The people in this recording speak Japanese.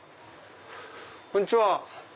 こんにちは！